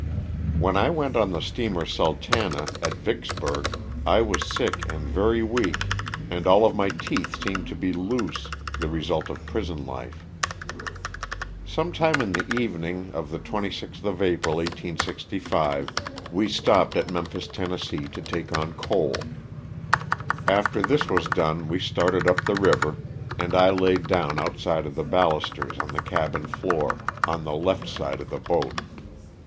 When 1 went on the steamer ''Sultana," at Vicks burg, I was sick and very weak and all of my teeth 70 LOSS OF THE SULTANA. seemed to be loose (the result of prison life). Some time in the evening of the 26th of April, 1865, we stopped at Memphis, Tenn., to take on coal. After this was done we started up the river and I laid down outside of the balusters on the cabin floor, on the left side of the boat.